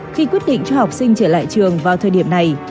khi quyết định cho học sinh trở lại trường vào thời điểm này